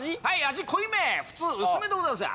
味濃いめ普通薄めとございますが？